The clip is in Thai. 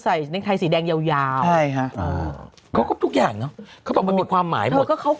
ทำแล้วฮะใช่นี่ทำแล้ว